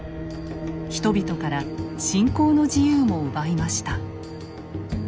人々から信仰の自由も奪いました。